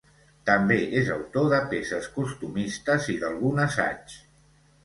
També és autor de peces costumistes i d'algun assaig.